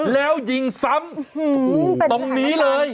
แล้วยิงซ้ำตรงนี้เลย